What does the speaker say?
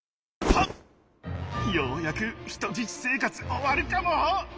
ようやく人質生活終わるかも！